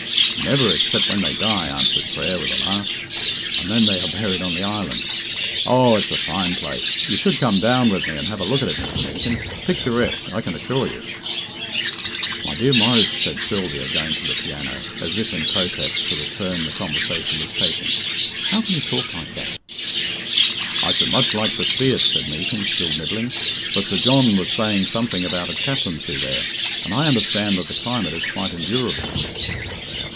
"Never, except when they die," answered Frere, with a laugh; "and then they are buried on an island. Oh, it's a fine place! You should come down with me and have a look at it, Mr. Meekin. Picturesque, I can assure you." "My dear Maurice," says Sylvia, going to the piano, as if in protest to the turn the conversation was taking, "how can you talk like that?" "I should much like to see it," said Meekin, still nibbling, "for Sir John was saying something about a chaplaincy there, and I understand that the climate is quite endurable."